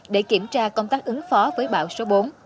để kiểm tra công tác ứng phó với bão số bốn